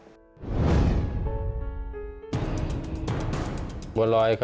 พวงฐานสมัครส่วนใหม่